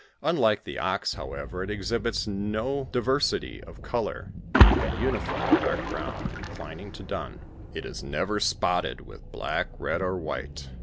Unlike the ox, however, it exhibits no diversity of eolor, being a uniform dark brown, inclining to dun. It is never spotted with black, red, or white.